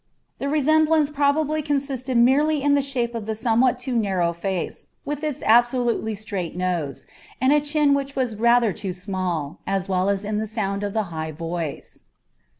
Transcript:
The resemblance probably consisted merely in the shape of the somewhat too narrow face, with its absolutely straight nose, and a chin which was rather too small, as well as in the sound of the high voice.